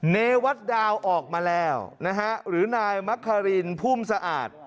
เนวัตดาวออกมาแล้วนะฮะหรือนายมะคารินพุ่มสะอาด